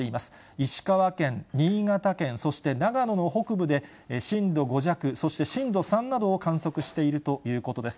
石川県、新潟県、そして長野の北部で震度５弱、そして震度３などを観測しているということです。